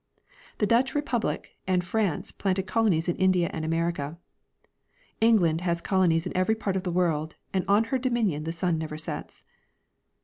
The Dutch republic and France planted colonies in India and America. England has colonies in every part of the world, and on her dominion the sun never sets.